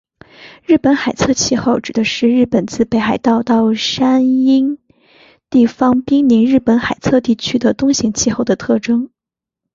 日本海侧气候指的是日本自北海道到山阴地方滨临日本海侧地区的冬型气候的特征。